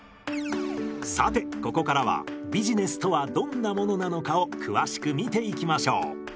さてここからはビジネスとはどんなものなのかを詳しく見ていきましょう。